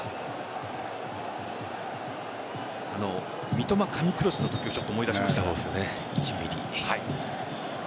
三笘神クロスのときをちょっと思い出しました。